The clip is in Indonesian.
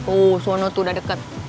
oh suara lo tuh udah deket